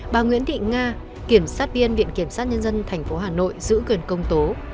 bà nguyễn thị nga kiểm sát viên viện kiểm sát nhân dân tp hà nội giữ quyền công tố